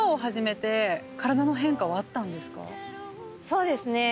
そうですね。